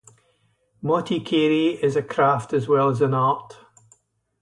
Motikaari is a craft as well as an art.